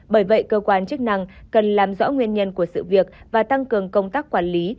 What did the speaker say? bởi vậy cơ quan chức năng cần làm rõ nguyên nhân của sự việc và tăng cường công tác quản lý